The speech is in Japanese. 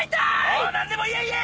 おう何でも言え言え！